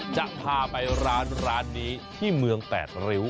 จะพาไปร้านนี้ที่เมือง๘ริ้ว